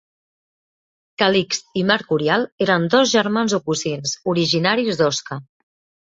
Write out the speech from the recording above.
Calixt i Mercurial eren dos germans o cosins, originaris d'Osca.